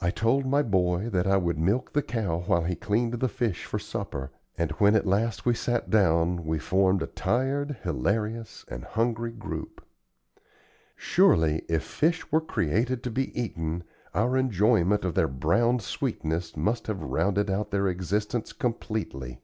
I told my boy that I would milk the cow while he cleaned the fish for supper, and when at last we sat down we formed a tired, hilarious, and hungry group. Surely, if fish were created to be eaten, our enjoyment of their browned sweetness must have rounded out their existence completely.